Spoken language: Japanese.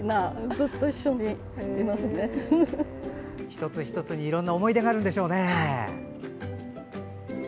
一つ一つにいろんな思い出があるんでしょうね。